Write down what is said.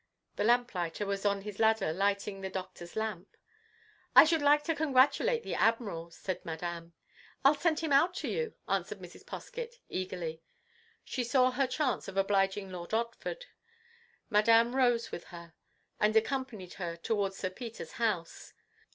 The lamplighter was on his ladder lighting the Doctor's lamp. "I should like to congratulate the Admiral," said Madame. "I 'll send him out to you," answered Mrs. Poskett, eagerly. She saw her chance of obliging Lord Otford. Madame rose with her and accompanied her towards Sir Peter's house.